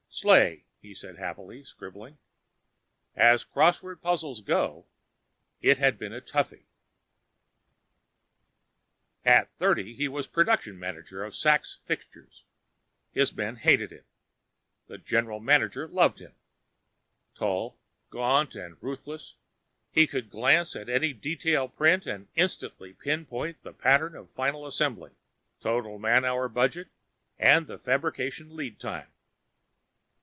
"Slay," he said happily, scribbling. As crossword puzzles go, it had been a toughie. At thirty, he was Production Manager of Sachs Fixtures. His men hated him. The General Manager loved him. Tall, gaunt and ruthless, he could glance at any detail print and instantly pinpoint the pattern of final assembly, total man hour budget and fabrication lead time.